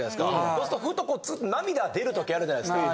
そうするとふと涙出る時あるじゃないですか。